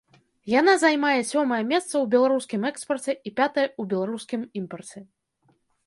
Яна займае сёмае месца ў беларускім экспарце і пятае ў беларускім імпарце.